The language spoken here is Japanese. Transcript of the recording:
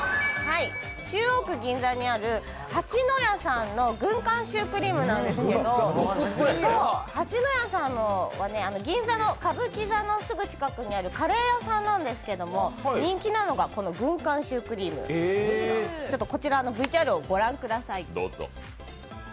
中央区銀座にある蜂の家さんの軍艦シュークリームなんですけど蜂の家さんは銀座の歌舞伎座の近くにあるカレー屋さんなんですけど、人気なのが軍艦シュークリームちょっとこちらのＶＴＲをご覧ください。